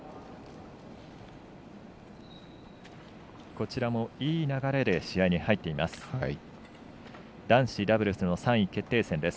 こちらもいい流れで試合に入っています。